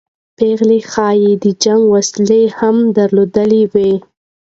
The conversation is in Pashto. پېغلې ښایي د جنګ وسله هم درلودلې وای.